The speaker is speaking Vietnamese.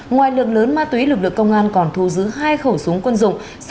ngoài lượng lớn ma túy lực lượng công an còn thu giữ hai khẩu súng quân dụng